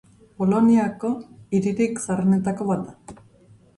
Poloniako hiririk zaharrenetako bat da.